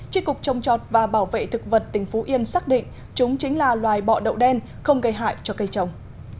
chi cục trồng trọt và bảo vệ thực vật tỉnh phú yên xác định chúng chính là loài bọ đậu đen không gây hại cho cây trồng